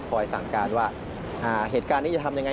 สั่งการว่าเหตุการณ์นี้จะทำยังไง